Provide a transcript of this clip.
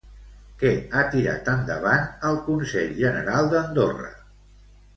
Què ha tirat endavant el Consell General d'Andorra?